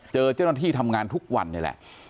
เจ้าหน้าที่ทำงานทุกวันนี่แหละ